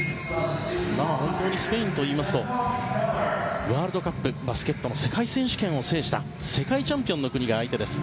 本当にスペインといいますとワールドカップバスケットの世界選手権を制した世界チャンピオンの国が相手です。